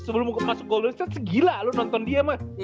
sebelum masuk golden state segila lu nonton dia mas